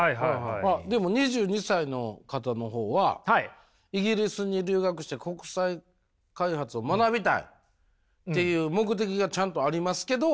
あっでも２２歳の方のほうはイギリスに留学して国際開発を学びたいっていう目的がちゃんとありますけど。